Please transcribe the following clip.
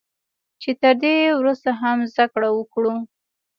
چې تر دې ورسته هم زده کړه وکړو